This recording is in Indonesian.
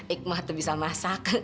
ik mah tuh bisa masak